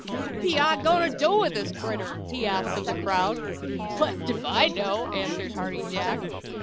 "What be I a goin' to do with the critter?" he asked of the crowd. "Blessed if I know," answered Hearty Jack.